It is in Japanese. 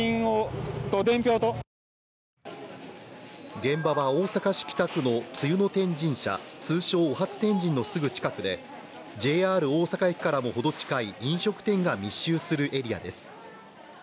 現場は大阪市北区の露天神社、通称お初天神のすぐ近くでＪＲ大阪駅からもほど近い、飲食店が密集するエリアです。